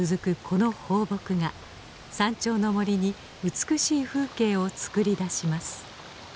この放牧が山頂の森に美しい風景を作り出します。